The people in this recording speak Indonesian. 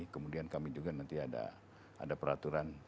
kemudian kami juga nanti ada peraturan